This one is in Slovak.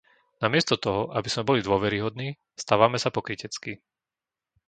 Namiesto toho, aby sme boli dôveryhodní, stávame sa pokryteckí.